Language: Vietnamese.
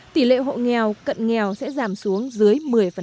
tỷ lệ hộ nghèo cận nghèo sẽ giảm xuống dưới một mươi